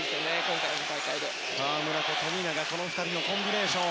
河村と富永のコンビネーション。